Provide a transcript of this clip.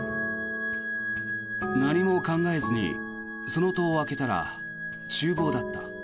何も考えずにその戸を開けたら厨房だった。